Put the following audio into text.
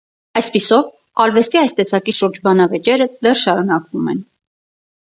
Այսպիսով, արվեստի այս տեսակի շուրջ բանավեճերը դեռ շարունակվում են։